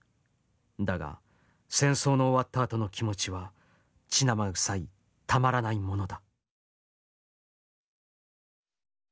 だが戦争の終わったあとの気持ちは血生臭いたまらないものだ」。